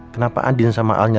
kenapa adin sama alnya